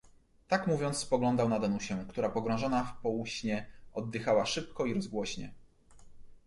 "Tak mówiąc, spoglądał na Danusię, która pogrążona w półśnie, oddychała szybko i rozgłośnie."